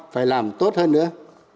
phải làm tốt hơn nữa